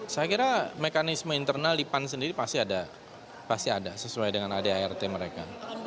saya kira mekanisme internal ipan sendiri pasti ada pasti ada sesuai dengan adat mereka